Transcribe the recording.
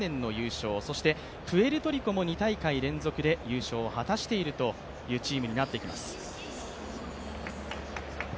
プエルトリコも２大会連続で優勝を果たしているというチームになっています。